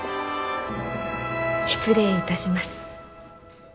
失礼いたします。